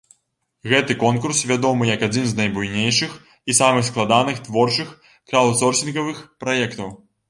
Гэты конкурс вядомы як адзін з найбуйнейшых і самых складаных творчых краўдсорсінгавых праектаў.